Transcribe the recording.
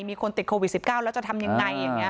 มีคนติดโควิด๑๙แล้วจะทำยังไง